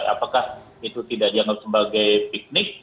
apakah itu tidak dianggap sebagai piknik